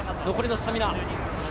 残りのスタミナ。